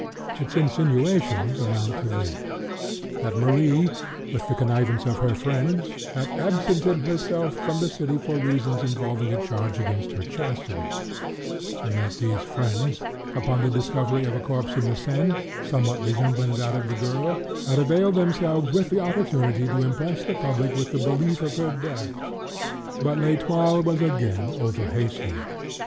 Its insinuations amount to this: that Marie, with the connivance of her friends, had absented herself from the city for reasons involving a charge against her chastity; and that these friends, upon the discovery of a corpse in the Seine, somewhat resembling that of the girl, had availed themselves of the opportunity to impress the public with the belief of her death. But L'Etoile was again over hasty.